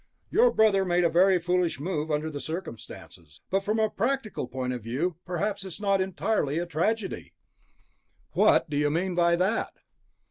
"Your brother made a very foolish move, under the circumstances. But from a practical point of view, perhaps it's not entirely a tragedy." "What do you mean by that?"